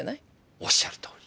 おっしゃるとおり。